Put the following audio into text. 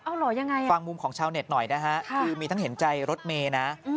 เอาเหรอยังไงฟังมุมของชาวเน็ตหน่อยนะฮะคือมีทั้งเห็นใจรถเมย์นะ